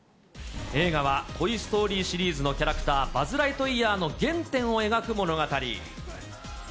映画はトイ・ストーリーシリーズのキャラクター、バズ・ライトイヤーの原点を描く物語。